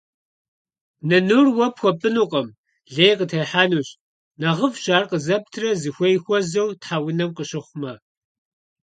Нынур уэ пхуэпӀынукъым, лей къытехьэнущ. НэхъыфӀщ ар къызэптрэ зыхуей хуэзэу тхьэунэм къыщыхъумэ.